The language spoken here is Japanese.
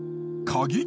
鍵？